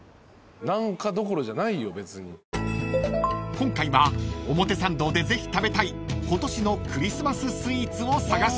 ［今回は表参道でぜひ食べたい今年のクリスマス・スイーツを探してもらいます］